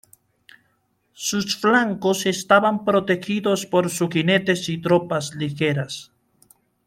Sus flancos estaban protegidos por sus jinetes y tropas ligeras.